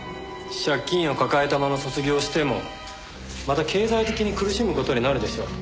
借金を抱えたまま卒業してもまた経済的に苦しむ事になるでしょう。